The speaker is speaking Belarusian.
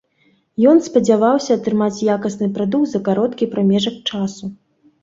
Ён спадзяваўся атрымаць якасны прадукт за кароткі прамежак часу.